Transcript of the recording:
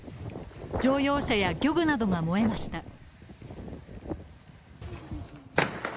乗用車や漁具などが燃えました。